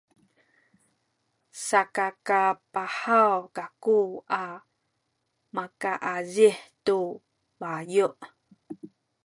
sakakapahaw kaku a makaazih tu bayu’.